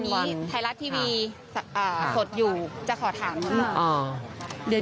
พี่ไท๋ค่ะวันนี้ทัยรัฐทีวีสดอยู่จะขอถาม